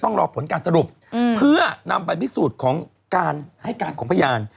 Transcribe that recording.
ต้องรอผลการสรุปเพื่อนำไปวิสูตรให้การของพยาน